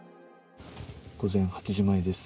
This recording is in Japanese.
午前８時前です。